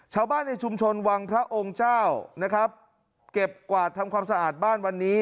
ชาวบ้านในชุมชนวังพระองค์เจ้านะครับเก็บกวาดทำความสะอาดบ้านวันนี้